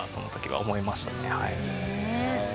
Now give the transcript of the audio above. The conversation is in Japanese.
はい。